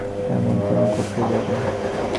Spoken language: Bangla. এমন কেন করতে যাবে?